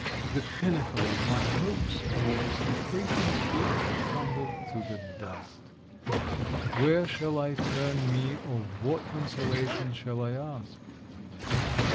The pinnacle of my hopes and expectations is crumbled to the dust. Where shall I turn me, or what consolation shall I ask?